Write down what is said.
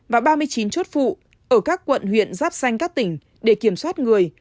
và ba mươi chín chốt phụ ở các quận huyện giáp xanh các tỉnh để kiểm soát người